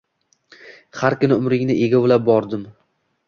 Har kuni umringni egovlab bordim